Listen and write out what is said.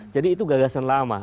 jadi itu gagasan lama